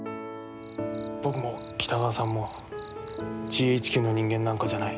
僕も北川さんもＧＨＱの人間なんかじゃない。